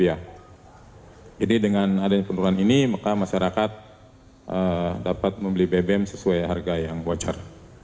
jadi dengan adanya penurunan ini maka masyarakat dapat membeli bbm sesuai harga yang wajar